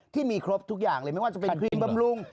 ที่มีครบทุกอย่างเลยไม่ว่าจะเป็นครีมบำรุง